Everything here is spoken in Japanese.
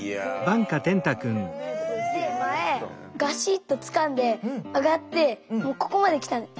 前ガシッとつかんで上がってここまで来たの。